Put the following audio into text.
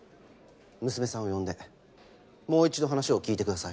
娘さんを呼んでもう一度話を聞いてください。